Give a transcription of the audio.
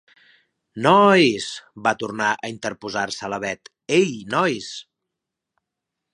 Nooois —va tornar a interposar-se la Bet— Ei, nois!